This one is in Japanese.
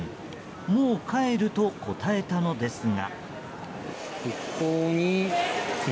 もう帰ると答えたのですが。